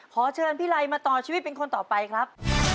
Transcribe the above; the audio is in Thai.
ขอเชิญพี่ไลมาต่อชีวิตเป็นคนต่อไปครับ